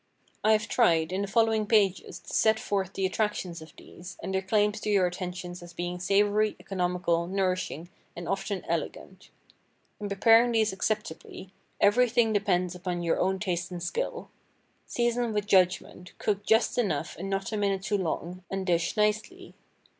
I have tried, in the following pages, to set forth the attractions of these, and their claims to your attention as being savory, economical, nourishing, and often elegant. In preparing these acceptably, everything depends upon your own taste and skill. Season with judgment, cook just enough and not a minute too long, and dish nicely.